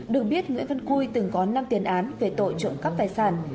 được biết nguyễn văn cui từng có năm tiền án về tội trộm cắp tài sản